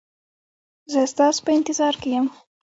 زه ستاسو په انتظار کې یم